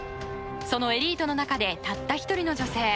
そのエリートの中でたった１人の女性